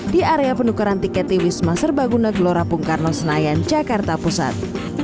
di area penukaran tiket di wisma serbaguna gelora bung karno senayan jakarta pusat